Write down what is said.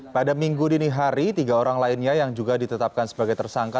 pada minggu dini hari tiga orang lainnya yang juga ditetapkan sebagai tersangka